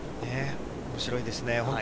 面白いですね。